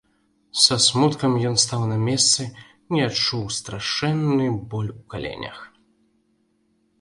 Са смуткам ён стаў на месцы і адчуў страшэнны боль у каленях.